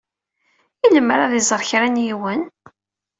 I lemmer ad iẓer kra n yiwen?